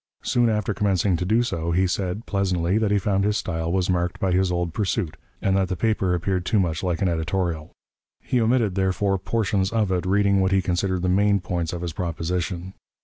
Soon after commencing to do so, he said (pleasantly) that he found his style was marked by his old pursuit, and that the paper appeared too much like an editorial. He omitted, therefore, portions of it, reading what he considered the main points of his proposition.